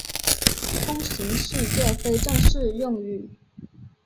弓形是一个非正式用语。